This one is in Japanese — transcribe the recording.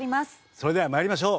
それでは参りましょう。